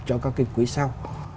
cho các cái quý sau